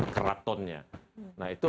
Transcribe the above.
keratonnya nah itu